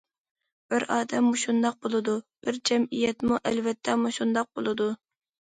بىر ئادەم مۇشۇنداق بولىدۇ، بىر جەمئىيەتمۇ ئەلۋەتتە مۇشۇنداق بولىدۇ.